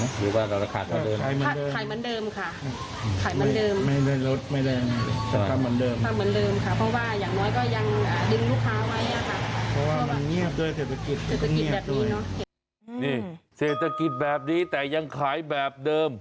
นี่เศรษฐกิจแบบนี้แต่ยังขายแบบเดิม